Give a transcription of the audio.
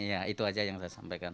ya itu aja yang saya sampaikan